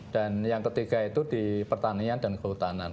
dan yang ketiga itu di pertanian dan kehutanan